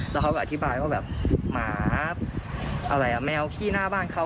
แล้วเขาก็อธิบายว่าแบบหมาอะไรอ่ะแมวขี้หน้าบ้านเขา